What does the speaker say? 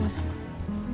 makasih ya dok